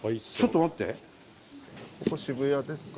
ここ渋谷ですか？